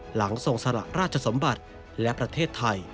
หลังทรงสละราชสมบัติและประเทศไทย